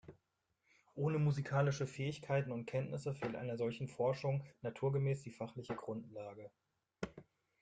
Ohne musikalische Fähigkeiten und Kenntnisse fehlt einer solchen Forschung naturgemäß die fachliche Grundlage.